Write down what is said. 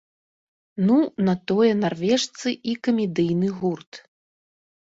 Ну, на тое нарвежцы і камедыйны гурт.